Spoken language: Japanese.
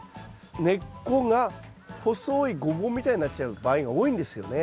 根っこが細いゴボウみたいになっちゃう場合が多いんですよね。